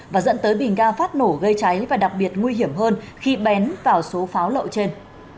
và dẫn tới bình ga phát nổ gây cháy và đặc biệt nguy hiểm hơn khi bén vào số pháo lậu trên